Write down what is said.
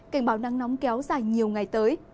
cảnh báo nắng nóng kéo dài nhiều ngày tới